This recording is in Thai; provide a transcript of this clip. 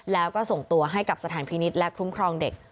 แล้วก็ส่งตัวให้กับสถานพินิษฐ์และคุ้มครองเด็ก